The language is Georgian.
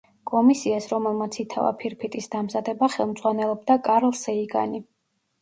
კომისიას, რომელმაც ითავა ფირფიტის დამზადება, ხელმძღვანელობდა კარლ სეიგანი.